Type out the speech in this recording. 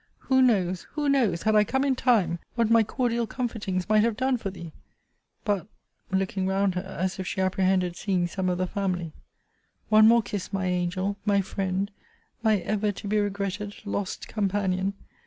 Who knows, who knows, had I come in time, what my cordial comfortings might have done for thee! But looking round her, as if she apprehended seeing some of the family One more kiss, my Angel, my Friend, my ever to be regretted, lost Companion!